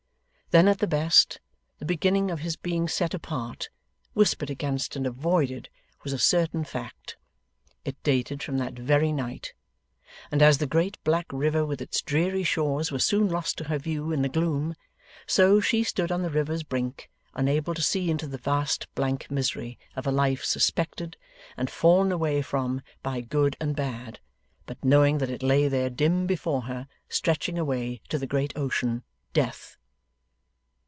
Then at the best, the beginning of his being set apart, whispered against, and avoided, was a certain fact. It dated from that very night. And as the great black river with its dreary shores was soon lost to her view in the gloom, so, she stood on the river's brink unable to see into the vast blank misery of a life suspected, and fallen away from by good and bad, but knowing that it lay there dim before her, stretching away to the great ocean, Death.